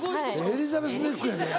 エリザベスネックやで。